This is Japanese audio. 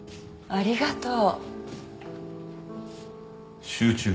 ありがとう。